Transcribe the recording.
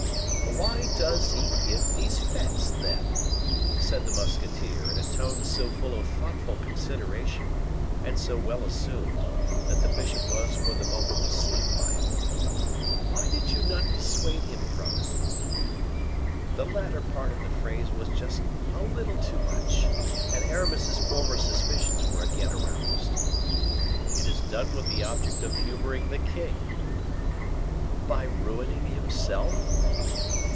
"Why does he give these fetes, then?" said the musketeer, in a tone so full of thoughtful consideration, and so well assumed, that the bishop was for the moment deceived by it. "Why did you not dissuade him from it?" The latter part of the phrase was just a little too much, and Aramis's former suspicions were again aroused. "It is done with the object of humoring the king." "By ruining himself?"